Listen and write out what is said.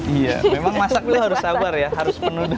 iya memang masaknya harus sabar ya harus penuh dengan